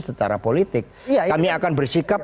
secara politik kami akan bersikap